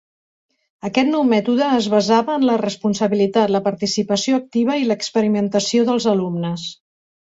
Aquest nou mètode es basava en la responsabilitat, la participació activa i l'experimentació dels alumnes.